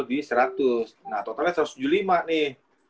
jadi seratus nah totalnya satu ratus tujuh puluh lima nih